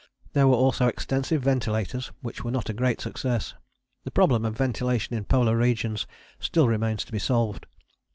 There were also extensive ventilators which were not a great success. The problem of ventilation in polar regions still remains to be solved.